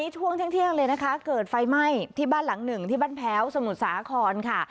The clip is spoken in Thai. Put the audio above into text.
ช่วงเที่ยงเลยนะคะเกิดไฟไหม้ที่บ้านหลังหนึ่งที่บ้านแพ้วสมุทรสาครค่ะ